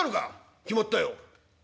「決まったよ」。